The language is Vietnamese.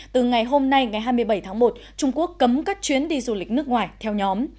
từ ngày hôm nay ngày hai mươi bảy tháng một trung quốc cấm các chuyến đi du lịch nước ngoài theo nhóm